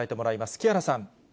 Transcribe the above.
木原さん。